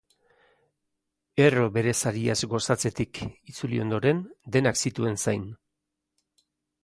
Erro bere sariaz gozatzetik itzuli ondoren, denak zituen zain.